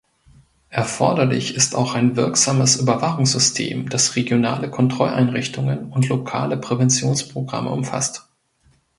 Erforderlich ist auch ein wirksames Überwachungssystem, das regionale Kontrolleinrichtungen und lokale Präventionsprogramme umfasst.